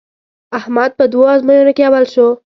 احمد په دوو ازموینو کې اول شو.